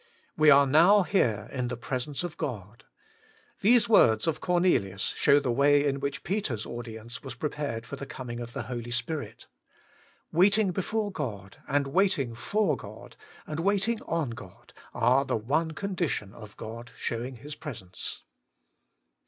' We are now here WAITING ON GOD! in the presence of God '— these words of Cornelius show the way in which Peter's aud ience was prepared for the coming of the Holy Spirit Waiting before God, and waiting for God, and waiting on God, are the one condition of God showing His presence.